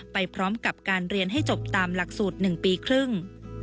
ไปพร้อมกับการเรียนให้จบตามหลักสูตร๑ปีครึ่ง